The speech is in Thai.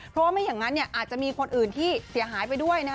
เพราะว่าไม่อย่างนั้นอาจจะมีคนอื่นที่เสียหายไปด้วยนะฮะ